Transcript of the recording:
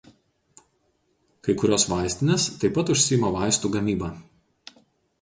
Kai kurios vaistinės taip pat užsiima vaistų gamyba.